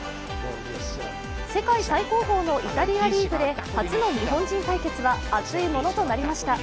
世界最高峰のイタリアリーグで初の日本人対決は熱いものとなりました。